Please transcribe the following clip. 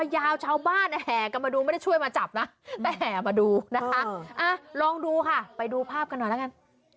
แต่แห่มาดูนะคะลองดูค่ะไปดูภาพกันหน่อยล่ะกัน